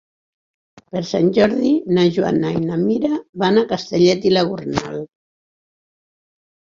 Per Sant Jordi na Joana i na Mira van a Castellet i la Gornal.